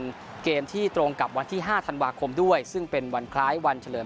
เป็นเกมที่ตรงกับวันที่๕ธันวาคมด้วยซึ่งเป็นวันคล้ายวันเฉลิม